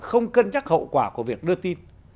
không cân nhắc hậu quả của việc đưa tin